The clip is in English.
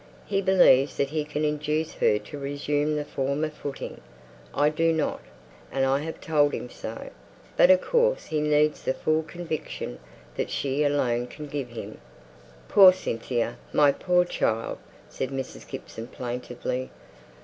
He believes that he can induce her to resume the former footing. I don't; and I've told him so; but, of course, he needs the full conviction that she alone can give him." "Poor Cynthia! My poor child!" said Mrs. Gibson, plaintively.